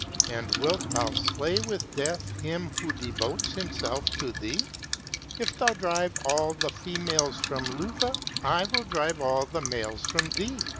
260 And wilt thou slay with death him who devotes him self to thee ? If thou drive all the females from Luvah, I will drive all the males from thee.